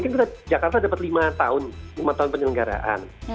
kan kita jakarta dapat lima tahun penyelenggaraan